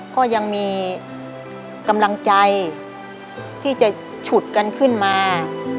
ก็ยังมีกำลังใจที่จะฉุดกันขึ้นมา